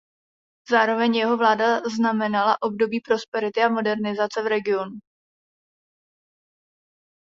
Zároveň jeho vláda znamenala období prosperity a modernizace v regionu.